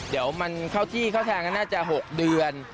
เดี๋ยวมันเข้าที่เข้าทางก็น่าจะ๖เดือน